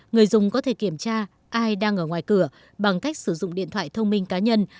người dùng có thể kiểm tra ai đang ở ngoài cửa bằng cách sử dụng điện thoại thông minh cá nhân